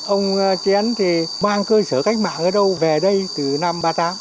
ông chén thì mang cơ sở cách mạng ở đâu về đây từ năm ba mươi tám